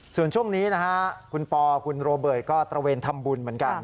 ส่วนช่วงนี้นะฮะคุณปอคุณโรเบิร์ตก็ตระเวนทำบุญเหมือนกัน